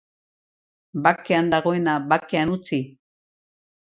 Bakean dagoena, bakean utzi.